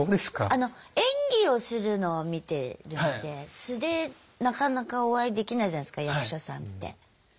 あの演技をするのを見てるので素でなかなかお会いできないじゃないすか役者さんって。